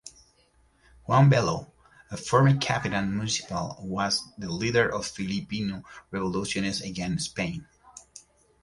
Juan Bello, a former capitan municipal, was the leader of Filipino revolutionists again Spain.